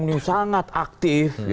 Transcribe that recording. ahok dihukum itu sangat aktif